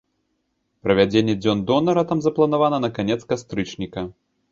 Правядзенне дзён донара там запланавана на канец кастрычніка.